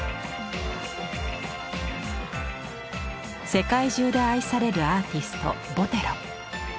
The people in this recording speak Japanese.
世界中で愛されるアーティストボテロ。